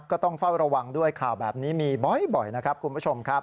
ก็ต้องเฝ้าระวังด้วยข่าวแบบนี้มีบ่อยนะครับคุณผู้ชมครับ